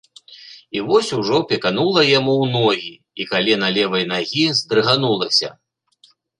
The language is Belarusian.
І вось ужо пеканула яму ў ногі, і калена левай нагі здрыганулася.